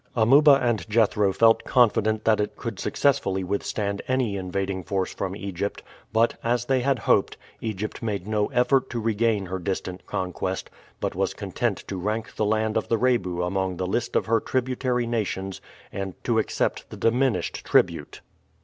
Amuba and Jethro felt confident that it could successfully withstand any invading force from Egypt, but, as they had hoped, Egypt made no effort to regain her distant conquest, but was content to rank the land of the Rebu among the list of her tributary nations and to accept the diminished tribute.